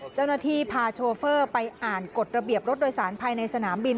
เจ้าหน้าที่พาโชเฟอร์ไปอ่านกฎระเบียบรถโดยสารภายในสนามบิน